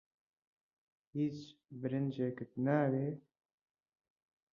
هیچ برنجێکت ناوێت؟